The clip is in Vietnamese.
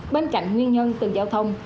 bên cạnh nguyên nhân từ giao thông